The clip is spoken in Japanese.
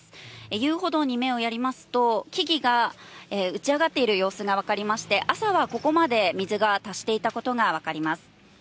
遊歩道に目をやりますと、木々が打ち上がっている様子が分かりまして、朝はここまで水が達していたことが分かります。